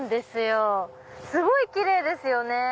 すごいキレイですよね。